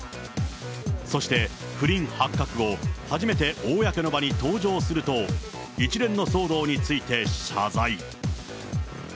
そして、不倫発覚後、初めて公の場に登場すると、一連の騒動について謝罪。